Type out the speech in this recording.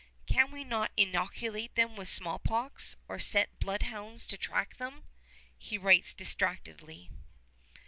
"Can we not inoculate them with smallpox, or set bloodhounds to track them?" he writes distractedly.